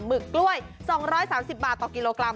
หึกกล้วย๒๓๐บาทต่อกิโลกรัม